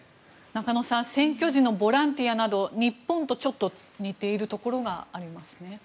中野さん選挙時のボランティアなど日本とちょっと似ているところがありますね。